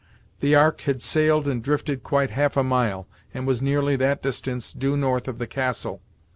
The Ark had sailed and drifted quite half a mile, and was nearly that distance due north of the castle.